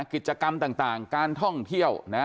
กิจกรรมต่างการท่องเที่ยวนะ